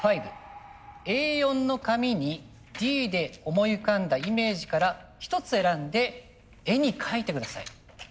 「Ａ４の紙に『Ｄ』で思い浮かんだイメージからひとつ選んで絵に描いてください」。